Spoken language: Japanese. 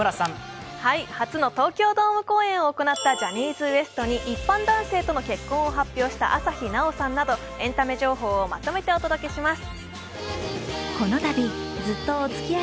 初の東京ドーム公演を行ったジャニーズＷＥＳＴに一般男性との結婚を発表した朝日奈央さんなどエンタメ情報をまとめてお届けします。